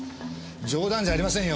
冗談じゃありませんよ。